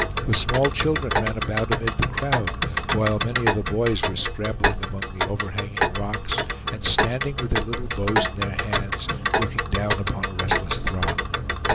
The small children ran about amid the crowd, while many of the boys were scrambling among the overhanging rocks, and standing, with their little bows in their hands, looking down upon a restless throng.